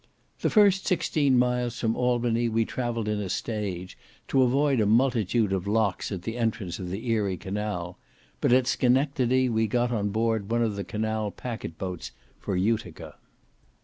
The first sixteen miles from Albany we travelled in a stage, to avoid a multitude of locks at the entrance of the Erie canal; but at Scenectedy we got on board one of the canal packet boats for Utica.